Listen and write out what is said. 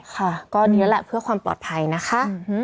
ค่ะก็ดีแล้วแหละเพื่อความปลอดภัยนะคะ